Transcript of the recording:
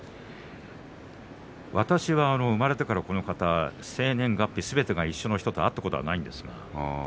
私は生まれてからこの方生年月日すべて同じの人と会ったことはないですが。